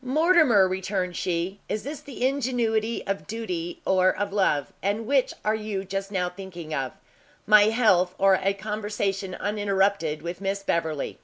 "Mortimer," returned she, "is this the ingenuity of duty or of love? and which are you just now thinking of, my health, or a conversation uninterrupted with Miss Beverley?"